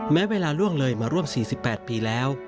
แม้เวลาล่วงเลยมาร่วม๔๘ปีแล้ว